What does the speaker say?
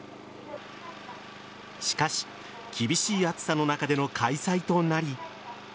しかし厳しい暑さの中での開催となり。